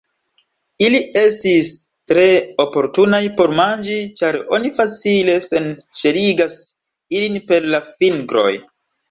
Ili estis tre oportunaj por manĝi, ĉar oni facile senŝeligas ilin per la fingroj.